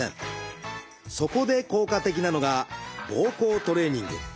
そこで効果的なのがぼうこうトレーニング。